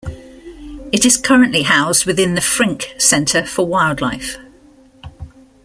It is currently housed within the Frink Center for Wildlife.